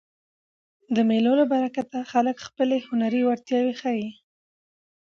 د مېلو له برکته خلک خپلي هنري وړتیاوي ښيي.